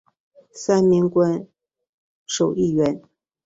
三名官守议员。